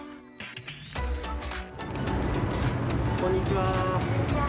こんにちは。